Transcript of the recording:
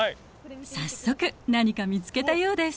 早速何か見つけたようです。